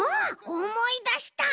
おもいだした。